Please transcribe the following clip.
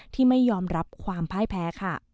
ที่ไม่ยอมรับความพ่ายแพ้ค่ะ